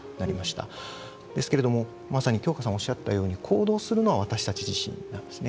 ですけれどもまさに京香さんおっしゃったように行動するのは私たち自身なんですね。